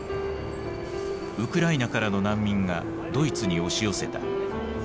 ウクライナからの難民がドイツに押し寄せた。